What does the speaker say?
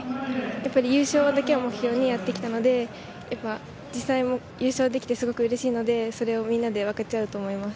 やっぱり優勝だけを目標にやってきたので実際、優勝できてすごくうれしいのでそれをみんなで分かち合うと思います。